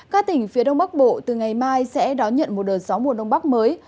các tỉnh phía đông bắc bộ từ ngày mai sẽ đón nhận một đợt gió mùa đông bắc mới